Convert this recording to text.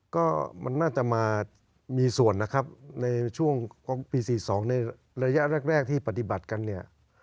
ก็มันน่าจะมามีส่วนนะครับในช่วงของปี๔๒ในระยะแรกที่ปฏิบัติกันเนี่ย